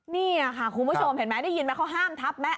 นี่ค่ะคุณผู้ชมเห็นไหมได้ยินไหมเขาห้ามทับไหม